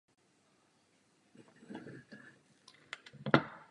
Pleso nemá povrchový přítok ani odtok.